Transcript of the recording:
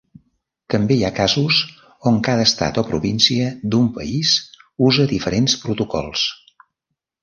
També hi ha casos on cada estat o província d'un país usa diferents Protocols.